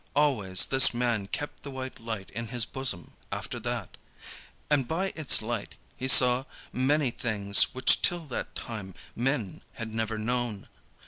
Always this man kept the white light in his bosom after that. And by its light he saw many things which till that time men had never known.